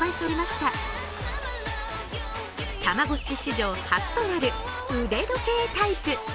たまごっち史上初となる腕時計タイプ。